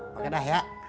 pakai dah ya